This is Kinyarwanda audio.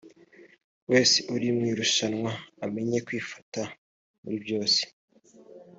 wese uri mu irushanwa amenya kwifata d muri byose